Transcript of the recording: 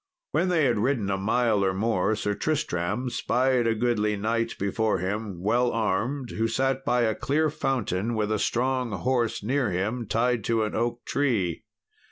When they had ridden a mile or more, Sir Tristram spied a goodly knight before him well armed, who sat by a clear fountain with a strong horse near him, tied to an oak tree.